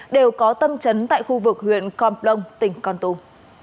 đều có tâm trấn tại khu vực huyện con plong tỉnh con tum